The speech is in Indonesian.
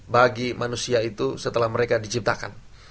bagi manusia itu setelah mereka diciptakan